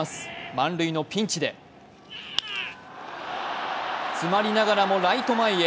満塁のピンチで詰まりながらもライト前へ。